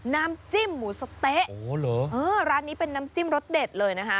น้ำจิ้มหมูสะเต๊ะร้านนี้เป็นน้ำจิ้มรสเด็ดเลยนะคะ